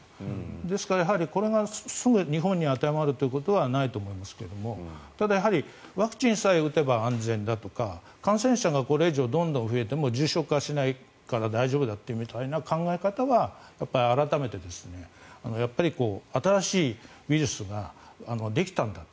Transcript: ですから、これがすぐ日本に当てはまることはないと思いますがただやはりワクチンさえ打てば安全だとか感染者がこれ以上どんどん増えても重症化しないから大丈夫だみたいな考え方は改めてやっぱり新しいウイルスができたんだと。